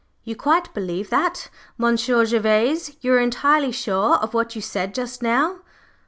"You quite believe that, Monsieur Gervase? You are entirely sure of what you said just now?"